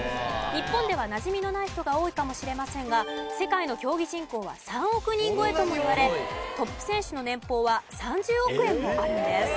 日本ではなじみのない人が多いかもしれませんが世界の競技人口は３億人超えともいわれトップ選手の年俸は３０億円もあるんです。